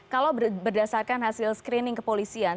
kalau berdasarkan hasil screening kepolisian